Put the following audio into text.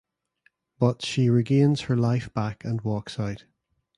But she regains her life back and walks out.